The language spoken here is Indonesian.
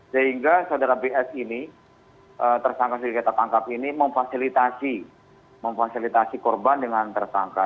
sehingga saudara bs ini tersangka sigita tangkap ini memfasilitasi korban dengan tersangka